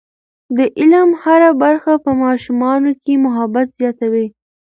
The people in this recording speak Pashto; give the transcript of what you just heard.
د علم هره برخه په ماشومانو کې محبت زیاتوي.